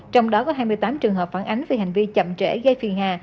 trong đó có hai mươi tám trường hợp phản ánh về hành vi chậm trễ gây phiền hà